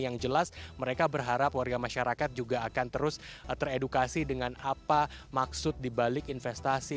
yang jelas mereka berharap warga masyarakat juga akan terus teredukasi dengan apa maksud dibalik investasi